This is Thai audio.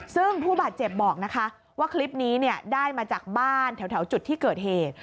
ซึ่งผู้บาดเจ็บบอกนะคะว่าคลิปนี้ได้มาจากบ้านแถวจุดที่เกิดเหตุ